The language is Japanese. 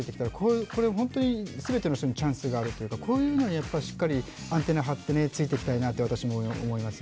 これは全ての人にチャンスがある、こういうのにしっかりアンテナを張って私もついていきたいなと私も思います。